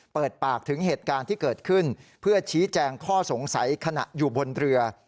เปิดปากถึงเหตุการณ์ที่เกิดขึ้นเพื่อชี้แจงข้อสงสัยขณะอยู่บนเรือ